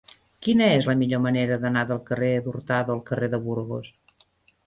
Quina és la millor manera d'anar del carrer d'Hurtado al carrer de Burgos?